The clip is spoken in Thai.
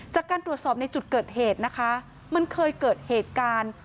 จากการตรวจสอบในจุดเกิดเหตุนะคะมันเคยเกิดเหตุการณ์